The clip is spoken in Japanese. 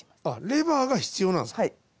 レバーが必要なんすか。